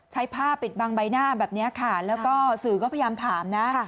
ผ้าปิดบังใบหน้าแบบนี้ค่ะแล้วก็สื่อก็พยายามถามนะ